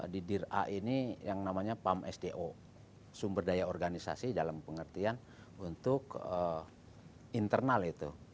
di dir a ini yang namanya pam sdo sumber daya organisasi dalam pengertian untuk internal itu